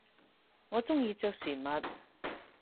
我中意着船襪